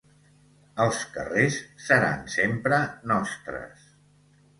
Els carrers seran sempre nostres